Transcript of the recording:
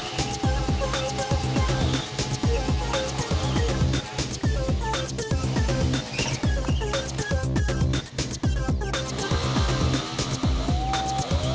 selamat selamat selamat